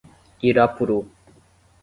Irapuru